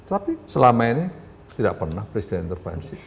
tapi selama ini tidak pernah presiden intervensi